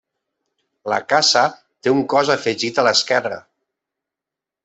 La casa té un cos afegit a l'esquerra.